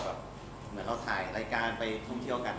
เหมือนเราถ่ายรายการไปท่องเที่ยวกัน